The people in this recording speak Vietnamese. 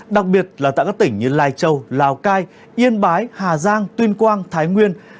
đặc biệt là tại các tỉnh như lai châu lào cai yên bái hà giang tuyên quang thái nguyên